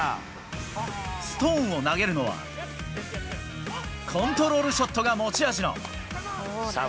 ストーンを投げるのは、コントロールショットが持ち味の。